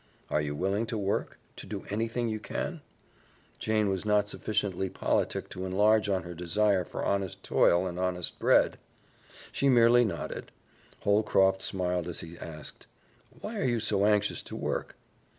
"Are you willing to work to do anything you can?" Jane was not sufficiently politic to enlarge on her desire for honest toil and honest bread; she merely nodded. Holcroft smiled as he asked, "Why are you so anxious to work?"